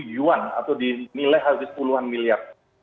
sepuluh yuan atau di nilai hasil sepuluh an milyar